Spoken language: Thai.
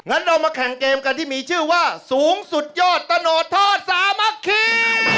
งั้นเรามาแข่งเกมกันที่มีชื่อว่าสูงสุดยอดตะโนดทอดสามัคคี